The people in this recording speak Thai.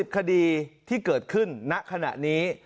คดีที่เกิดขึ้นณขณะนี้